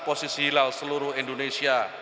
posisi hilal seluruh indonesia